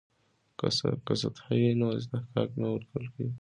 که سطح وي نو اصطکاک نه ورکیږي.